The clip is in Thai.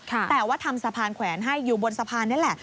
แต่ว่าทำสะพานแขวนให้อยู่บนสะพานนี่แหละ